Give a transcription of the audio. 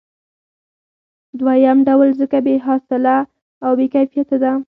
دویم ډول ځمکه بې حاصله او بې کیفیته ده